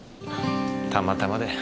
たまたまだよ。